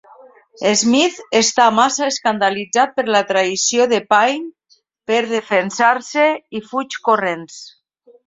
Smith està massa escandalitzat per la traïció de Paine per defensar-se, i fuig corrents.